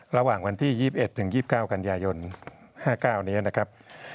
ระหว่างวันที่๒๑ถึง๒๙กันยายน๕๙นี้นะครับ